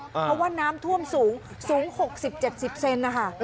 เพราะว่าน้ำท่วมสูงสูง๖๐๗๐เซนนะคะ